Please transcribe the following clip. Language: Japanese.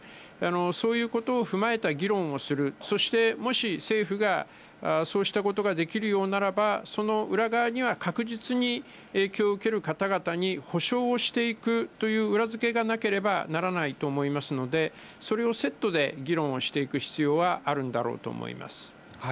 そういうことを踏まえた議論をする、そしてもし政府がそうしたことができるようならば、その裏側には確実に影響を受ける方々に補償をしていくという裏付けがなければならないと思いますので、それをセットで議論をしていく必要はあるんだろうと思います。